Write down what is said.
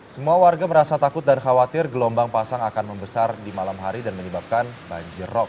semua warga merasa takut dan khawatir gelombang pasang akan membesar di malam hari dan menyebabkan banjir rop